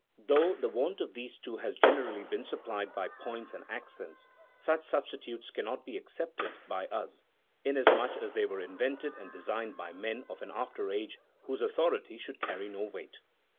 Though the want of these two has generally been supplied by points and accents, such substitutes cannot be accepted by us, inasmuch as they were invented and designed by men of an after age whose authority should carry no weight.